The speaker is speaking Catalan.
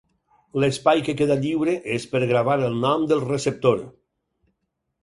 L'espai que queda lliure és per gravar el nom del receptor.